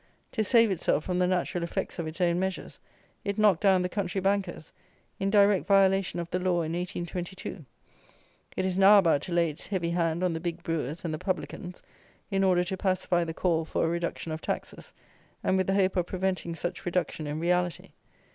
To save itself from the natural effects of its own measures, it knocked down the country bankers, in direct violation of the law in 1822. It is now about to lay its heavy hand on the big brewers and the publicans, in order to pacify the call for a reduction of taxes, and with the hope of preventing such reduction in reality.